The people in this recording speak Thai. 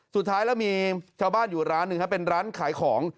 สุดท้ายแล้วมีชาวบ้านอยู่ร้านหนึ่งเป็นร้านขายของ